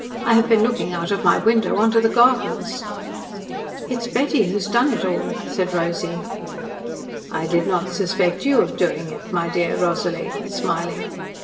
I have been looking out of my window on to the gardens." "It is Betty who has done it all," said Rosy. "I did not suspect you of doing it, my dear Rosalie," smiling.